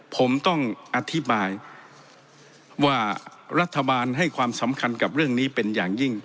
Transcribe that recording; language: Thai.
ผมต้องอธิบายว่ารัฐบาลให้ความสำคัญกับเรื่องนี้เป็นอย่างยิ่ง